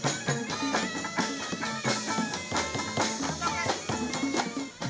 dalam sejarah suluk merupakan karya sastra jawa klasik